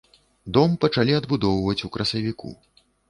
Дом пачалі адбудоўваць у красавіку.